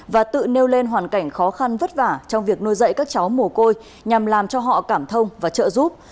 và tự nêu lên hoàn cảnh khó khăn vất vả trong việc nuôi dạy các cháu mồ côi nhằm làm cho họ cảm thông và trợ giúp